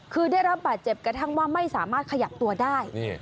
คือได้รับบาดเจ็บกระทั่งว่าไม่สามารถขยับตัวได้